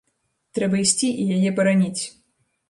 Трэба ісці і яе бараніць.